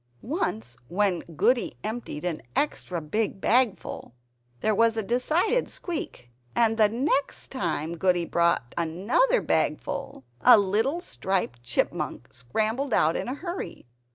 Once when Goody emptied an extra big bagful, there was a decided squeak; and next time Goody brought another bagful, a little striped Chipmunk scrambled out in a hurry.